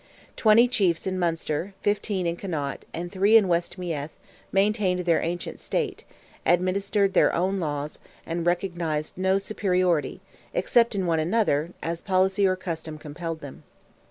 Twenty chiefs in Munster, fifteen in Connaught, and three in West Meath, maintained their ancient state, administered their own laws, and recognized no superiority, except in one another, as policy or custom compelled them.